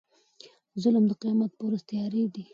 ظلم د قيامت په ورځ تيارې دي